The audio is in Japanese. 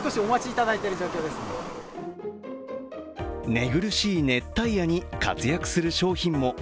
寝苦しい熱帯夜に活躍する商品も。